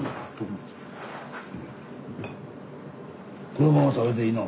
このまま食べていいの？